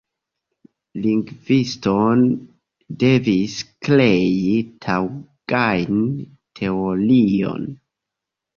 Lingvistoj devis krei taŭgajn teoriojn.